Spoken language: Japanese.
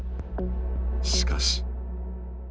しかし。